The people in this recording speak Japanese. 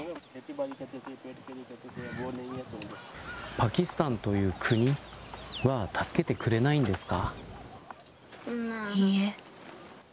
パキスタンという国は助けてくれないんですか。